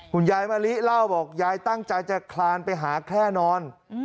คุณยายห์มะลิเล่าบอกตั้งใจจะคลานไปหาแคร่นอน